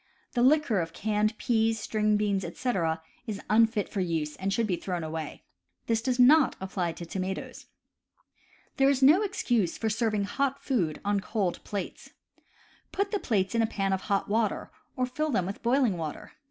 The liquor of canned peas, string beans, etc., is unfit for use and should be thrown away; this does not apply to tomatoes. There is no excuse for serving hot food on cold plates. Put the plates in a pan of hot water, or fill them with boiling water.